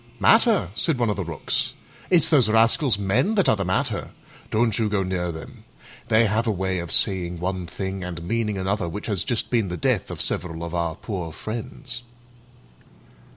"Matter?" said one of the Rooks; "it's those rascals, men, that are the matter. Don't you go near them. They have a way of saying one thing and meaning another which has just been the death of several of our poor friends."